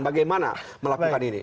bagaimana melakukan ini